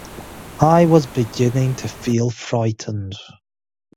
I was beginning to feel frightened.